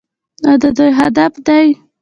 او د دوی هدف دی.